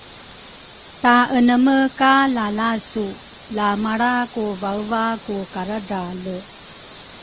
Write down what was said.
taeneme ka lalasu lamalra ku vaeva ku karadrale.